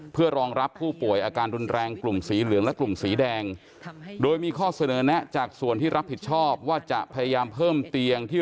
เพื่อรองรับผู้ป่วยอาการรุนแรงกลุ่มสีเหลืองและกลุ่มสีแดงโดยมีข้อเสนอแนะจากส่วนที่รับผิดชอบว่าจะพยายามเพิ่มเตียงที่